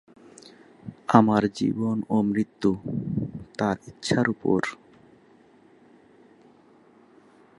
ফলে তাদের অনেকেই এই হ্রদে পুজো করে।